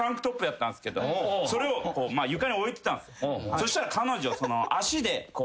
そしたら彼女足で。